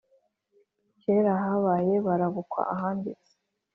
kera kabaye barabukwa ahanditse